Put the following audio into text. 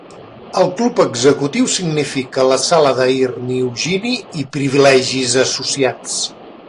El Club Executiu significa la sala d'Air Niugini i privilegis associats.